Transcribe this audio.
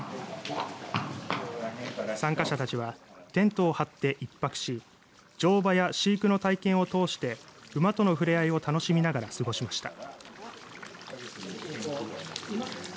参加者たちはタワーテントを張って一泊し乗馬やシートの体験をとおして馬との触れ合いを楽しみながら過ごしました。